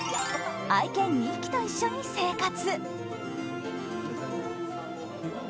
愛犬２匹と一緒に生活。